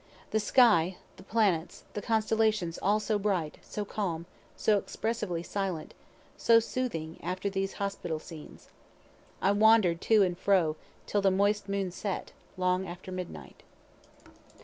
The sky, the planets, the constellations all so bright, so calm, so expressively silent, so soothing, after those hospital scenes. I wander'd to and fro till the moist moon set, long after midnight.